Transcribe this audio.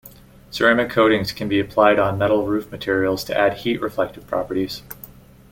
Ceramic coatings can be applied on metal roof materials to add heat-reflective properties.